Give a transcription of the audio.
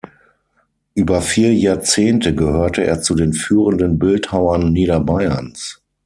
Über vier Jahrzehnte gehörte er zu den führenden Bildhauern Niederbayerns.